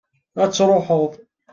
ad truḥeḍ